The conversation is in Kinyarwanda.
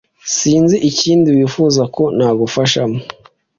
sinzi ikindi wifuza ko nagufashamo